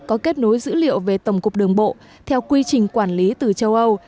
có kết nối dữ liệu về tổng cục đường bộ theo quy trình quản lý từ châu âu